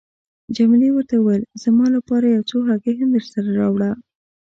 جميله ورته وویل: زما لپاره یو څو هګۍ هم درسره راوړه.